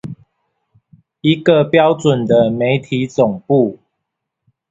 一個標準的媒體總部